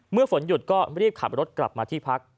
ฝนหยุดก็รีบขับรถกลับมาที่พัก